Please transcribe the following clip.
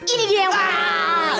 ini dia yang paling